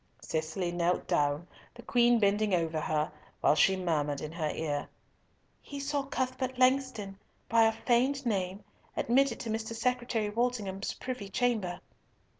Cicely knelt down, the Queen bending over her, while she murmured in her ear, "He saw Cuthbert Langston, by a feigned name, admitted to Mr. Secretary Walsingham's privy chamber."